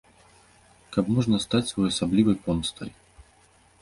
Каб можа стаць своеасаблівай помстай.